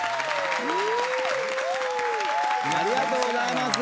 ありがとうございます。